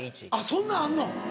そんなんあんの？